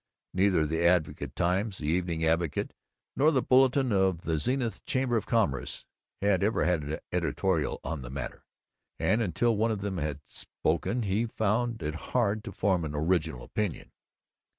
Neither the Advocate Times, the Evening Advocate, nor the Bulletin of the Zenith Chamber of Commerce had ever had an editorial on the matter, and until one of them had spoken he found it hard to form an original opinion.